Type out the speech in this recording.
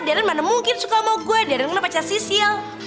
deren mana mungkin suka sama gue deren kenapa casisil